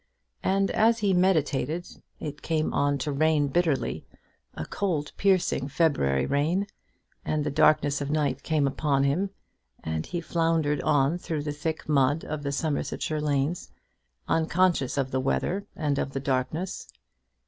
And, as he meditated, it came on to rain bitterly, a cold piercing February rain, and the darkness of night came upon him, and he floundered on through the thick mud of the Somersetshire lanes, unconscious of the weather and of the darkness.